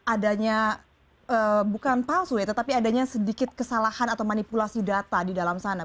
adanya bukan palsu ya tetapi adanya sedikit kesalahan atau manipulasi data di dalam sana